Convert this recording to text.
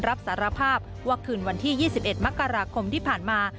รับสารภาพว่าคืนวันที่๒๑มกราคมที่ผ่านมา